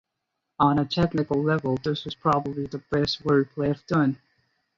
On a technical level, this is probably the best wordplay I've done